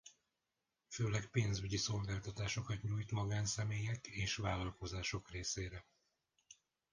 Főleg pénzügyi szolgáltatásokat nyújt magánszemélyek és vállalkozások részére.